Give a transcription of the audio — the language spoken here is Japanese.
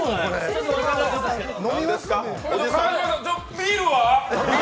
ビールは？